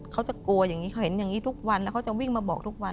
เขาจะกลัวอย่างนี้เขาเห็นอย่างนี้ทุกวันแล้วเขาจะวิ่งมาบอกทุกวัน